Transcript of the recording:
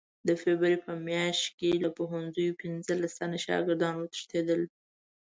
د فبروري په میاشت کې له پوهنځیو پنځلس تنه شاګردان وتښتېدل.